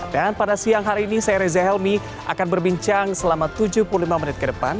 dan pada siang hari ini saya reza helmi akan berbincang selama tujuh puluh lima menit ke depan